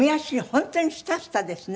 本当にスタスタですね。